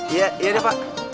iya iya deh pak